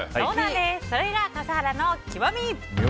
それが笠原の極み！